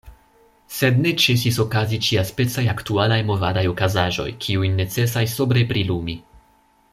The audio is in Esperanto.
Sed ne ĉesis okazi ĉiaspecaj aktualaj movadaj okazaĵoj, kiujn necesas sobre prilumi.